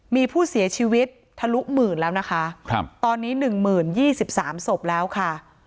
มีผู้เสียชีวิตทะลุหมื่นแล้วนะคะครับตอนนี้หนึ่งหมื่นยี่สิบสามศพแล้วค่ะ